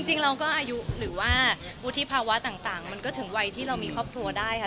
จริงเราก็อายุหรือว่าวุฒิภาวะต่างมันก็ถึงวัยที่เรามีครอบครัวได้ค่ะ